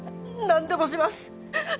何でもします